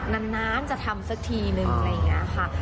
น้ำน้ำจะทำเสร็จทีนึง